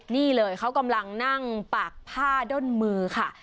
นี่เลยเขากำลังนั่งปากผ้าด้นมือค่ะ